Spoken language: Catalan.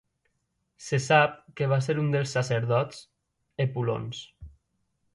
Se sap que va ser un dels sacerdots epulons.